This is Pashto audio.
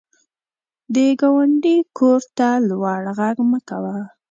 د ګاونډي کور ته لوړ غږ مه کوه